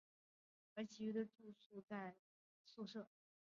而其余的住宿生住在格湾布拉宿舍。